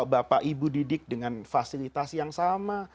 bapak ibu didik dengan fasilitas yang sama